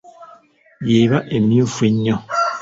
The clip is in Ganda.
Y'eba emyufu nnyo.